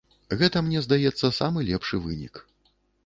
Гэта, мне здаецца, самы лепшы вынік.